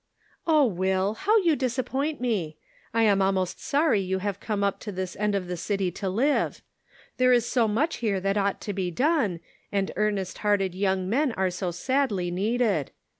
" Oh, Will, how you disappoint me ! I am almost sorry that you have come up to this end of the city to live. There is so much here that ought to be done, and earnest hearted young men are so sadly needed.